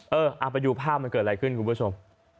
เออเอาไปดูภาพมันเกิดอะไรขึ้นคุณผู้ชม